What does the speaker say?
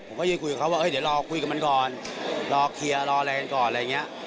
ผมก็ยังคุยกับเขาว่าเดี๋ยวรอคุยกับมันก่อนรอเคลียร์รออะไรกันก่อนอะไรอย่างนี้